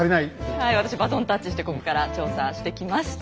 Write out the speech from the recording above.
はい私バトンタッチしてここから調査してきました。